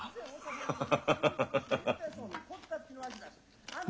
ハハハハ。